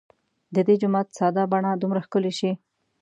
د دې جومات ساده بڼه دومره ښکلې شي.